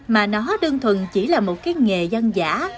mà nó đơn thuần chỉ là một cái nghề dân giả